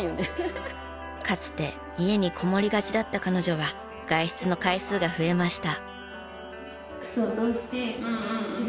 かつて家にこもりがちだった彼女は外出の回数が増えました。